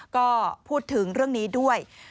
ก็พูดถึงเรื่องนี้ด้วย